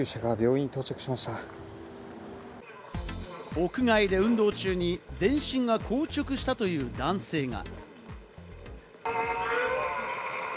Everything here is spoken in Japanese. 屋外で運動中に全身が硬直したという男性が。